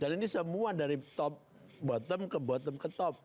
dan ini semua dari top bottom ke bottom ke top